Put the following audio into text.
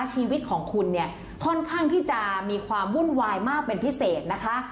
ชีวิตของคุณเนี่ยค่อนข้างที่จะมีความวุ่นวายมากเป็นพิเศษนะคะ